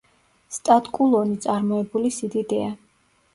სტატკულონი წარმოებული სიდიდეა.